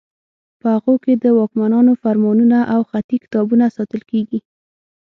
په هغو کې د واکمنانو فرمانونه او خطي کتابونه ساتل کیږي.